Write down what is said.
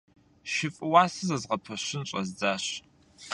ШыфӀ уасэ зэзгъэпэщын щӀэздзащ.